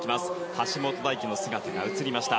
橋本大輝の姿が映りました。